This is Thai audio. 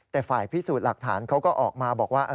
แต่ฝ่ายพิสูจน์หลักฐานเขาก็ออกมาบอกว่า